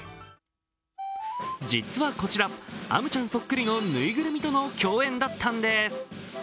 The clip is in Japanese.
実はこちら、アムちゃんそっくりのぬいぐるみとの共演だったんです。